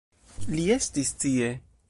Li estis tie!